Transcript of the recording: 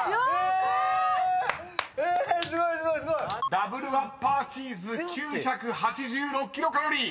［「ダブルワッパーチーズ」９８６キロカロリー］